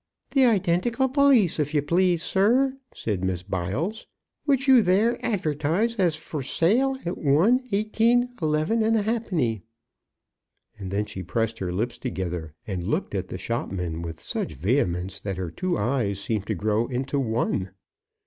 "The identical pelisse, if you please, sir," said Miss Biles, "which you there advertise as for sale at one, eighteen, eleven and a halfpenny." And then she pressed her lips together, and looked at the shopman with such vehemence that her two eyes seemed to grow into one.